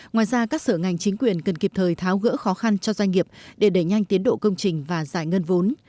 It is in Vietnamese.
ngoài ra các sở ngành chính quyền cần kịp thời tháo gỡ khó khăn cho doanh nghiệp để đẩy nhanh tiến độ công trình và giải ngân vốn